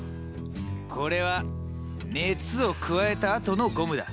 これは熱を加えたあとのゴムだ。